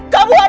kamu ada gak